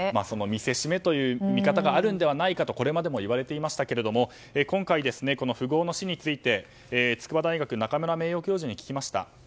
見せしめという見方があるのではないかとこれまでもいわれていましたが今回、富豪の死について筑波大学、中村名誉教授に聞きました。